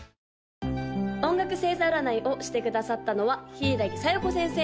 ・音楽星座占いをしてくださったのは柊小夜子先生！